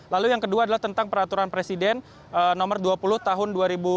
lalu yang kedua adalah tentang peraturan presiden nomor dua puluh tahun dua ribu dua puluh